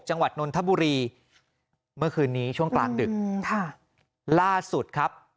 จังหวัดนนทบุรีเมื่อคืนนี้ช่วงกลางดึกข้าล่าสุดครับ